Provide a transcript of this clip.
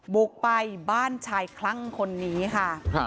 บุกไปบ้านชายคลั่งคนนี้ค่ะ